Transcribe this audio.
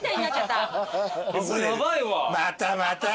またまた。